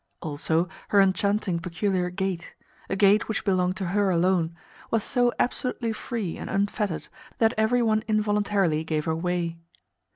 Also, her enchanting, peculiar gait a gait which belonged to her alone was so absolutely free and unfettered that every one involuntarily gave her way.